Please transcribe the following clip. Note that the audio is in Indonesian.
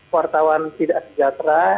wartawan tidak sejahtera